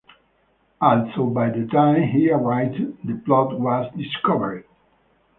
Although by the time he arrived the plot was discovered.